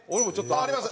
あります。